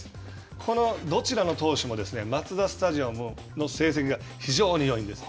このどちらの投手も、マツダスタジアムの成績が非常によいんです。